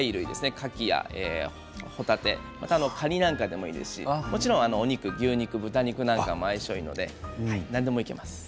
かきや、ほたてカニなんかでもいいですしもちろんお肉に牛肉、豚肉なんかも相性がいいので何でもいけます。